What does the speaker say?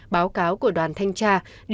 báo cáo của đoàn thanh tra